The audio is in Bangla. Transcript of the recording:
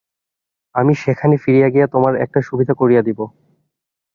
আমি সেখানে ফিরিয়া গিয়া তোমার একটা সুবিধা করিয়া দিব।